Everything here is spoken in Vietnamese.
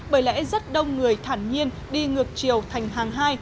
bởi lẽ rất đông người thẳng nhiên đi ngược triều thành hà nội